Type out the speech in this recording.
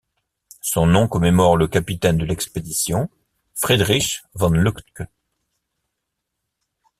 Son nom commémore le capitaine de l'expédition, Friedrich von Lütke.